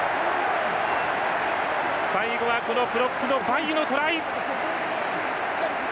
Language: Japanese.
最後はプロップのバイユのトライ！